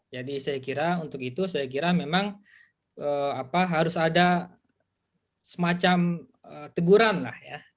saya kira untuk itu saya kira memang harus ada semacam teguran lah ya